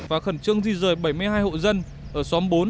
và khẩn trương di rời bảy mươi hai hộ dân ở xóm bốn